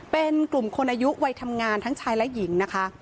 เป็นกลุ่มคนอายุวัยทำงานทั้งชายและหญิงนะคะ